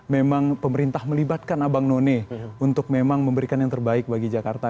memang pemerintah melibatkan abang none untuk memang memberikan yang terbaik bagi jakarta